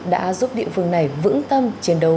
đã giúp địa phương này vững tâm chiến đấu